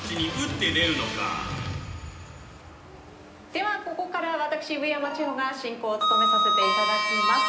ではここから私上山千穂が進行を務めさせて頂きます。